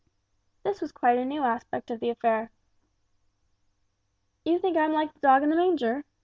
This was quite a new aspect of the affair. "You think I'm like the dog in the manger?